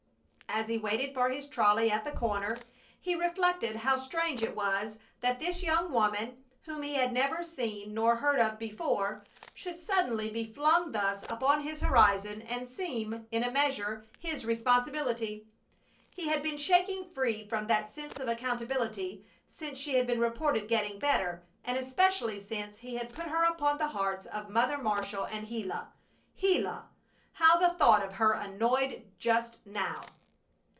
As he waited for his trolley at the corner, he reflected how strange it was that this young woman, whom he had never seen nor heard of before, should suddenly be flung thus upon his horizon and seem, in a measure, his responsibility. He had been shaking free from that sense of accountability since she had been reported getting better; and especially since he had put her upon the hearts of Mother Marshall and Gila. Gila! How the thought of her annoyed just now!